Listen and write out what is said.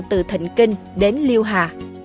từ thịnh kinh đến liêu hà